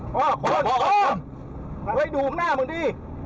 ขอหว่าโอ้วยฮดูมกุมหน้ามึงดี